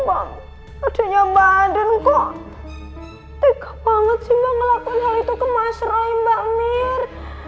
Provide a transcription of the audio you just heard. adanya badan kok tegak banget sih ngelakuin hal itu ke mas rai mbak mir